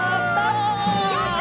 やった！